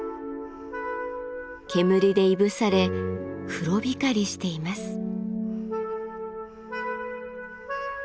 煙でいぶされ黒光りしています。